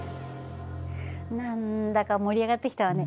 何だか盛り上がってきたわね。